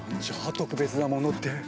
特別なものって。